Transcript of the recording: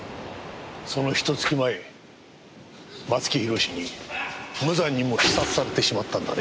そのひと月前松木弘に無残にも刺殺されてしまったんだね。